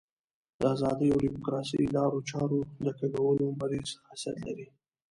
د ازادۍ او ډیموکراسۍ لارو چارو د کږولو مریض خاصیت لري.